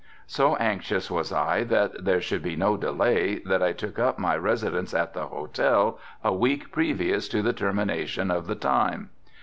So anxious was I that there should be no delay that I took up my residence at the hotel a week previous to the termination of the time.